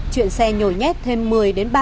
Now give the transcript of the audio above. chuyện xe nhồi nhét thêm một mươi ba mươi